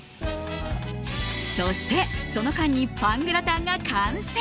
そしてその間にパングラタンが完成！